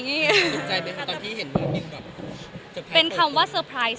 สงสัยไหมตอนที่เห็นรอบผิง